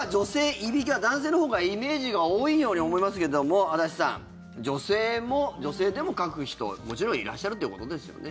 いびきは男性のほうがイメージが多いように思いますけれども、安達さん女性でもかく人、もちろんいらっしゃるってことですよね。